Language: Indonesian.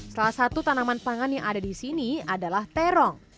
salah satu tanaman pangan yang ada di sini adalah terong